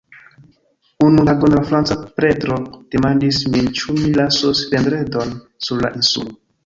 Unu tagon la franca pretro demandis min ĉu mi lasos Vendredon sur la insulo.